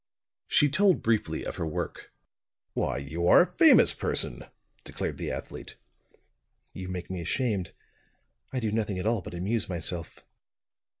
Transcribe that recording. She told briefly of her work. "Why, you are a famous person!" declared the athlete. "You make me ashamed; I do nothing at all but amuse myself."